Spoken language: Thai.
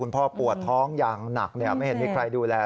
พ่อปวดท้องอย่างหนักไม่เห็นมีใครดูแล